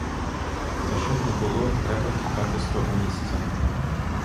Та що б не було, треба втікати з того місця.